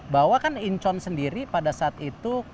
bahwa kan incon sendiri pada saat itu